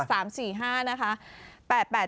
ใช่เหมือนกันหมดเลย๓๔๕นะคะ